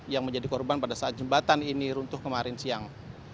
yang menjadi korban pada saat jembatan ini runtuh kemarin siang